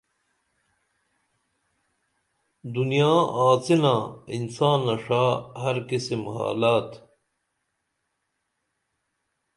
دنیا آڅِنا انسانہ ݜا ہر قسم حالات